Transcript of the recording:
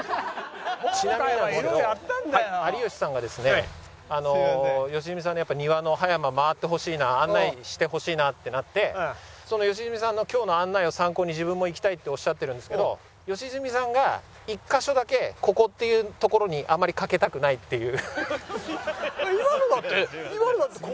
ちなみになんですけど有吉さんがですね良純さんの庭の葉山回ってほしいな案内してほしいなってなって良純さんの今日の案内を参考に自分も行きたいっておっしゃってるんですけど良純さんが１カ所だけ「ここ！」っていう所にあまり賭けたくないっていう。